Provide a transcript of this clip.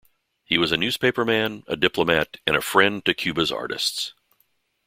He was a newspaperman, a diplomat, and a friend to Cuba's artists.